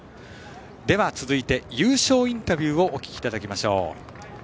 では続いて優勝インタビューをお聞きいただきましょう。